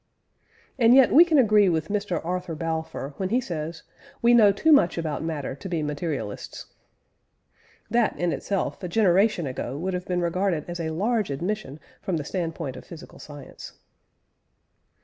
" And yet we can agree with Mr. Arthur Balfour when he says "we know too much about matter to be materialists." That, in itself, a generation ago would have been regarded as a large admission from the standpoint of physical science.